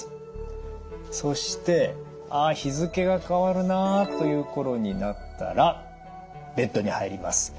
そしてあ日付が変わるなという頃になったらベッドに入ります。